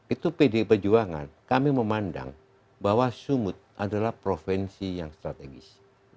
itu pdi perjuangan kami memandang bahwa sumut adalah provinsi yang strategis